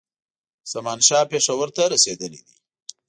زمانشاه پېښور ته رسېدلی دی.